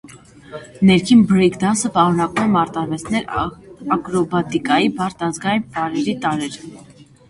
Ներքին բրեյք դանսը պարունակում է՝ մարտարվեստների, ակրոբատիկայի, բարդ ազգային պարերի տարրեր։